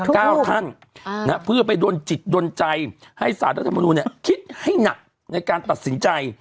เก้าท่านเพื่อไปดนจิตดนใจให้สารรัฐมนูลเนี่ยคิดให้หนักในการตัดสินใจ